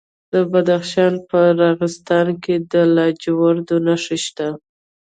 د بدخشان په راغستان کې د لاجوردو نښې شته.